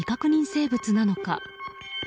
生物なのか。